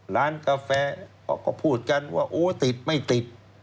ร้านกาแฟเขาก็พูดกันว่าโอ้ติดไม่ติด